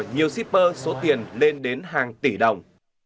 nhiều shipper số tiền lên đến hàng tỷ đồng